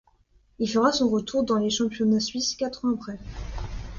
Il fera son retour dans le championnat suisse quatre ans après.